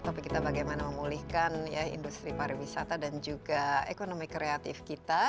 topik kita bagaimana memulihkan industri pariwisata dan juga ekonomi kreatif kita